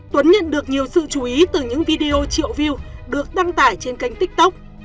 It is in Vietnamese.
tuấn nhận được nhiều sự chú ý từ những video triệu view được đăng tải trên kênh tiktok